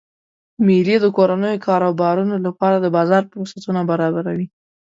میلې د کورنیو کاروبارونو لپاره د بازار فرصتونه برابروي.